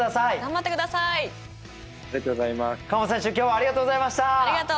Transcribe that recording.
ありがとうございます。